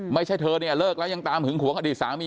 ไม่ใช่เธอเนี่ยเลิกแล้วยังตามหึงหวงอดีตสามี